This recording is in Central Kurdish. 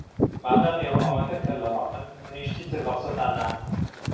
مادام ئێوە ئەوەندە کەللەڕەقن، منیش چیتر بە قسەتان ناکەم.